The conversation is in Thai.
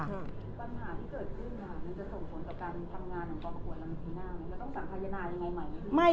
ปัญหาที่เกิดขึ้นมันจะส่งผลกับการทำงานของกรปกรรมนั้นขึ้นหน้าไหมจะต้องสั่งภายนายังไงใหม่